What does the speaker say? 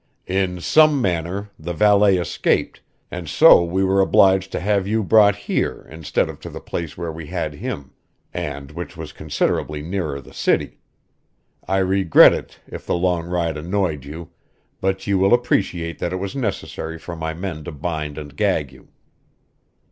"In some manner, the valet escaped, and so we were obliged to have you brought here instead of to the place where we had him, and which was considerably nearer the city. I regret it if the long ride annoyed you, but you will appreciate that it was necessary for my men to bind and gag you."